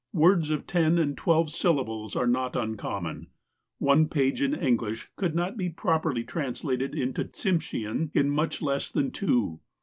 Words of ten and twelve syllables are not un conunon. One page in English could not be properly translated into Tsimshean in much less than two.